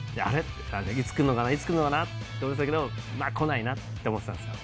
いつくるのかないつくるのかなって思ってたけどこないなって思ってたんですよ。